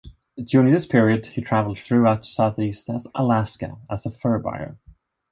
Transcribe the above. During this period, he traveled throughout southeast Alaska as a fur buyer.